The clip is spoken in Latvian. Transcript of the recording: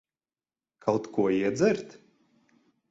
Kaut ko iedzert?